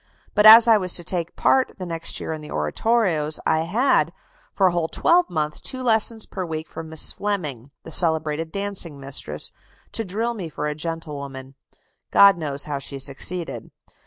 But as I was to take a part the next year in the oratorios, I had, for a whole twelvemonth, two lessons per week from Miss Fleming, the celebrated dancing mistress, to drill me for a gentlewoman (God knows how she succeeded).